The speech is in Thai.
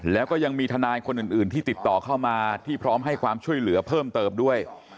แล้วก็ยังมีทนายคนอื่นที่ติดต่อเข้ามาที่พร้อมให้ความช่วยเหลือเพิ่มเติมด้วย